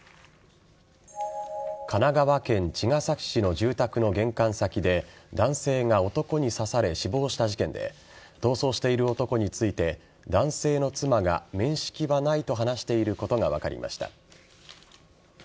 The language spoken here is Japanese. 神奈川県茅ヶ崎市の住宅の玄関先で男性が男に刺され死亡した事件で逃走している男について男性の妻が面識はないと話していることが分かりました。